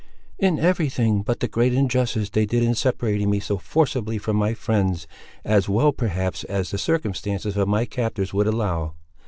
"In every thing, but the great injustice they did in separating me so forcibly from my friends, as well perhaps as the circumstances of my captors would allow.